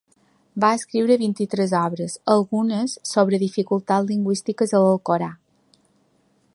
Va escriure vint-i-tres obres, algunes sobres dificultats lingüístiques a l'Alcorà.